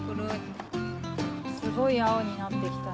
すごいあおになってきたね。